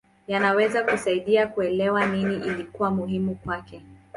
Yanaweza kusaidia kuelewa nini ilikuwa muhimu kwake.